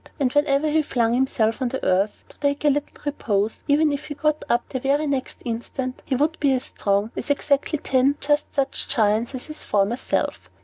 And whenever he flung himself on the earth to take a little repose, even if he got up the very next instant, he would be as strong as exactly ten just such giants as his former self.